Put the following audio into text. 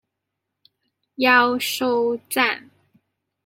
妖受讚